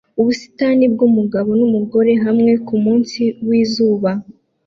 Ubusitani bwumugabo numugore hamwe kumunsi wizuba